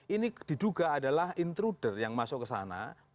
ini diduga adalah intruder yang masuk kesana